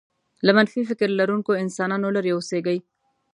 له منفي فکر لرونکو انسانانو لرې اوسېږئ.